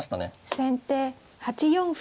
先手８四歩。